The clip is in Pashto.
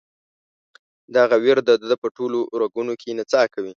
دغه ویر د ده په ټولو رګونو کې نڅا کوي.